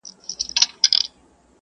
سوسیالیزم شخصي ملکیت لغوه کوي.